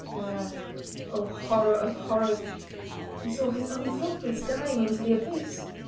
There, oh, horror of horrors! he saw his own footprints dying into the abyss!